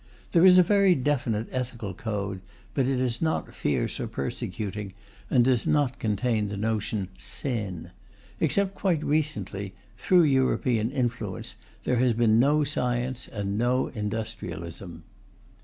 There is a very definite ethical code, but it is not fierce or persecuting, and does not contain the notion "sin." Except quite recently, through European influence, there has been no science and no industrialism.